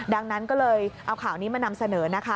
ดังนั้นก็เลยเอาข่าวนี้มานำเสนอนะคะ